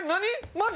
マジ？